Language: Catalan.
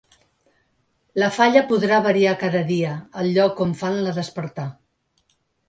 La falla podrà variar cada dia el lloc on fan la despertà.